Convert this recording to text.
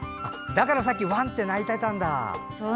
だからさっきワン！って鳴いてたんだ。